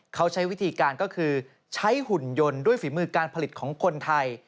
เขาใช้วิธีการก็คือใช้หุ่นยนต์ด้วยฝีมือการผลิตของคนไทย